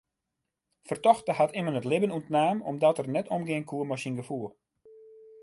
Fertochte hat immen it libben ûntnaam omdat er net omgean koe mei syn gefoel.